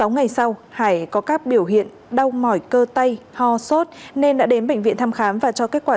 sáu ngày sau hải có các biểu hiện đau mỏi cơ tay ho sốt nên đã đến bệnh viện thăm khám và cho kết quả